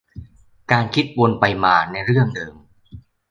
การคิดวนไปมาในเรื่องเดิม